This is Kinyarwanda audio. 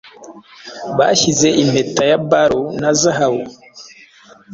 Bashyize impeta ya barrow na zahabu